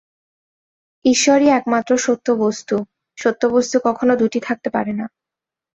ঈশ্বরই একমাত্র সত্যবস্তু, সত্যবস্তু কখনও দুটি থাকতে পারে না।